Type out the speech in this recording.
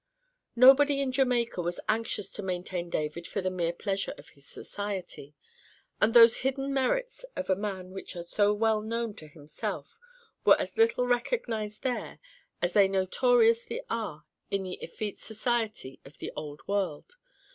Nobody in Jamaica was anxious to maintain David for the mere pleasure of his society; and those hidden merits of a man which are so well known to himself were as little recognized there as they notoriously are in the effete society of the Old World.